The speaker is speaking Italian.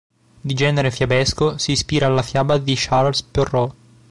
Di genere fiabesco, si ispira alla fiaba di Charles Perrault.